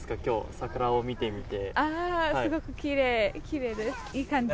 桜を見てみて。